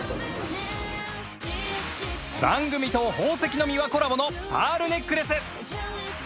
番組と宝石のミワコラボのパールネックレス